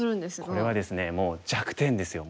これはですねもう弱点ですよ。